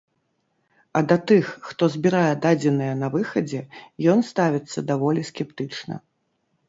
А да тых, хто збірае дадзеныя на выхадзе, ён ставіцца даволі скептычна.